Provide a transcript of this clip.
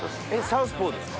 サウスポーです。